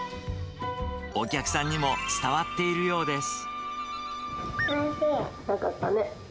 お客さんにも伝わっているようです。